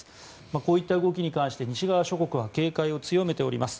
こういった動きに関して西側諸国は警戒を強めています。